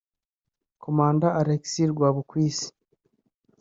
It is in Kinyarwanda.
Commandant Alexis Rwabukwisi